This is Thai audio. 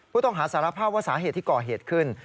ผู้ต้องหาสารภาพว่าสาเหตุที่ก่อเหตุขึ้น